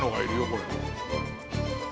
これ。